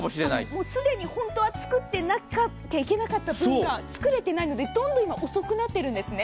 もう既に本当は作っていなきゃいけない部分が作れていないのでどんどん今、遅くなっているんですね。